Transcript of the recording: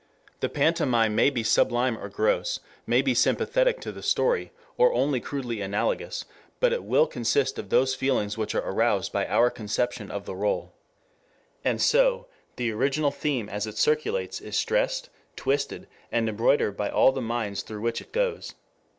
The pantomime may be subtle or gross, may be sympathetic to the story, or only crudely analogous; but it will consist of those feelings which are aroused by our conception of the role. And so, the original theme as it circulates, is stressed, twisted, and embroidered by all the minds through which it goes.